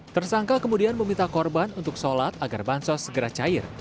tersangka kemudian meminta korban untuk sholat agar bansos segera cair